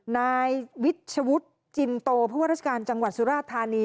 นายวิชวุฒิจินโตผู้ว่าราชการจังหวัดสุราธานี